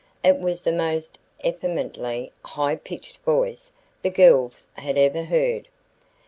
It was the most effeminately high pitched voice the girls had ever heard.